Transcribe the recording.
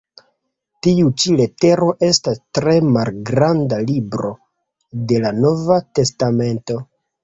Tiu ĉi letero estas tre malgranda "libro" de la nova testamento.